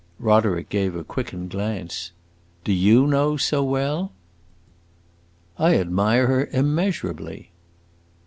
Roderick gave a quickened glance. "Do you know, so well?" "I admire her immeasurably."